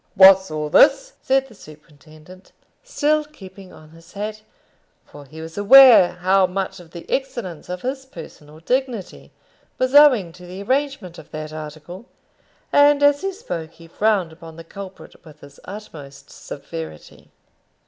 "What's all this?" said the superintendent, still keeping on his hat, for he was aware how much of the excellence of his personal dignity was owing to the arrangement of that article; and as he spoke he frowned upon the culprit with his utmost severity.